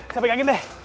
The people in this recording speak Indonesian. sampai kaget deh